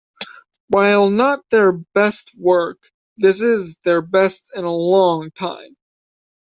While not their best work, this is their best in a long time.